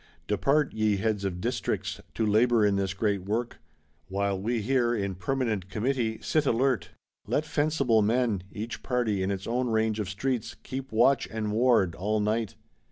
Depart, ye heads of Districts, to labour in this great work; while we here, in Permanent Committee, sit alert. Let fencible men, each party in its own range of streets, keep watch and ward, all night.